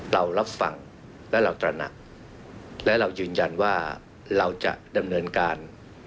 เรารับฟังและเราตระหนักและเรายืนยันว่าเราจะดำเนินการ